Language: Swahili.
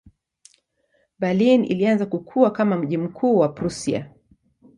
Berlin ilianza kukua kama mji mkuu wa Prussia.